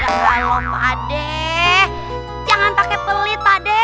ya kalau pade jangan pakai pelit pade